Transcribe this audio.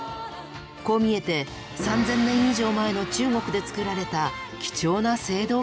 こう見えて３０００年以上前の中国で作られた貴重な青銅器なんです。